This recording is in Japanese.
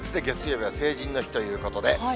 月曜日は成人の日ということで。